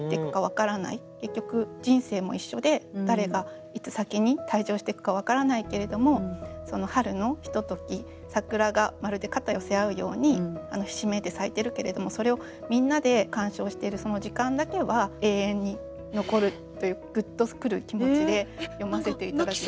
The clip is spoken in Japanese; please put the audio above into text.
結局人生も一緒で誰がいつ先に退場してくか分からないけれどもその春のひととき桜がまるで肩寄せ合うようにひしめいて咲いてるけれどもそれをみんなで観賞しているその時間だけは永遠に残るというグッとくる気持ちで読ませて頂きました。